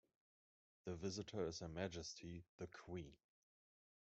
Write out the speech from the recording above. The Visitor is Her Majesty the Queen.